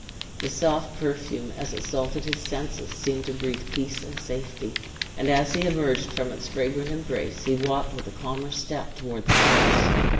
The soft perfume, as it saluted his senses, seemed to breathe peace and safety; and as he emerged from its fragrant embrace, he walked with a calmer step toward the house.